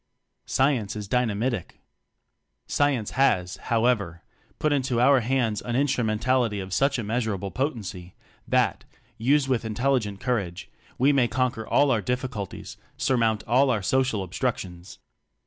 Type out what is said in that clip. Science Is Dynamitic! Science has, however, put into our hands an instrumentality of such immeasurable potency, that, used with intelligent courage, we may con quer all our difficulties, surmount all our social obstructions.